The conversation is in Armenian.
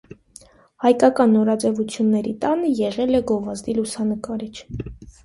Հայկական նորաձևությունների տանը եղել է գովազդի լուսանկարիչ։